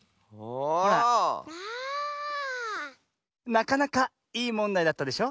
なかなかいいもんだいだったでしょ。